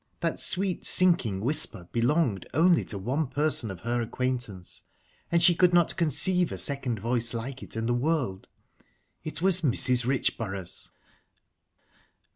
That sweet, sinking whisper belonged only to one person of her acquaintance, and she could not conceive a second voice like it in the world. It was Mrs. Richborough's...